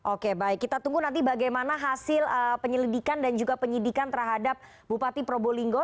oke baik kita tunggu nanti bagaimana hasil penyelidikan dan juga penyidikan terhadap bupati probolinggo